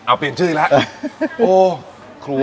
เอาเปลี่ยนชื่ออีกแล้ว